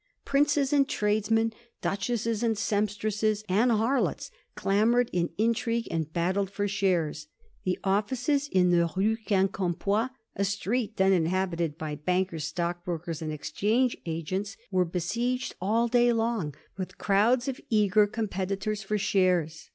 Princes and tradesmen, duch esses and sempstresses and harlots, clamoured, in trigued, and battled for shares. The offices in the Rue Quincampoix, a street then inhabited by bankers, stockbrokers, and exchange agents, were besieged all day long with crowds of eager competitors for shares.